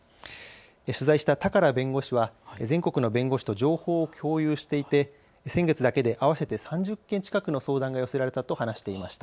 取材した高良弁護士は全国の弁護士と情報を共有していて先月だけで合わせて３０件近くの相談が寄せられたと話していました。